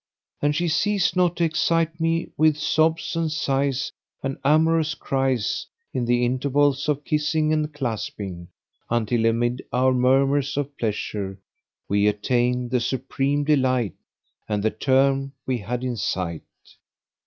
And she ceased not to excite me with sobs and sighs and amorous cries in the intervals of kissing and clasping until amid our murmurs of pleasure we attained the supreme delight and the term we had in sight.